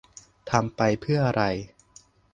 ทำไปเพื่ออะไร